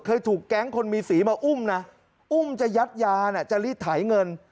เคยถูกแก๊งคนมีสีมาอุ้มนะอุ้มจะยัดยาน่ะจะรีดไถเงิน